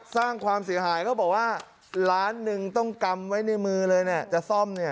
สร้างความเสียหายเขาบอกว่าล้านหนึ่งต้องกำไว้ในมือเลยจะซ่อม